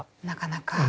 なかなか。